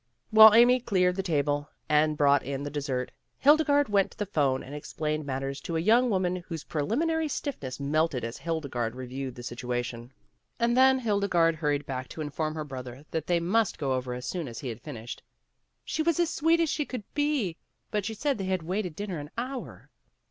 While Amy cleared the table and brought in the dessert, Hildegarde went to the phone and explained matters to a young woman whose WHAT'S IN A NAME? 19 preliminary stiffness melted as Hildegarde re viewed the situation. And then Hildegarde hurried back to inform her brother that they must go over as soon as he had finished. "She was as sweet as she could be, but she said they had waited dinner an hour.